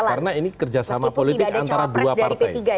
karena ini kerjasama politik antara dua partai